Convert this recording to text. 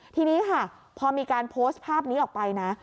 ทีนี้ค่ะพอมีการโพสต์ภาพนี้ออกไปนะ